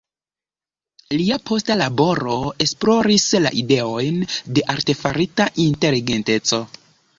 Lia posta laboro esploris la ideojn de artefarita inteligenteco.